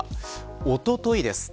おとといです。